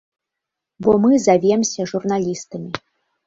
Бо мы завемся журналістамі.